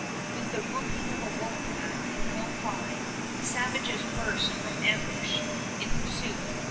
With the whooping of a wolf pack in full cry, the savages burst from ambush in pursuit.